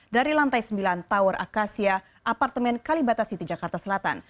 dari lantai sembilan tower akasia apartemen kalibata city jakarta selatan